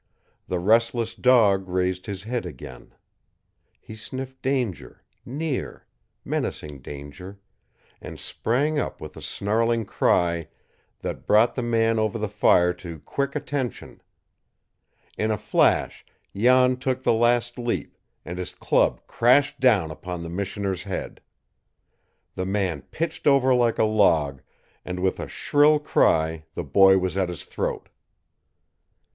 The restless dog raised his head again. He sniffed danger near, menacing danger and sprang up with a snarling cry that brought the man over the fire to quick attention. In a flash Jan took the last leap, and his club crashed down upon the missioner's head. The man pitched over like a log, and with a shrill cry the boy was at his throat.